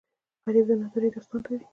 غریب د نادارۍ داستان لري